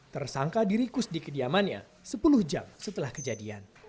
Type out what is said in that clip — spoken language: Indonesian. tersangka diringkus di kediamannya sepuluh jam setelah kejadian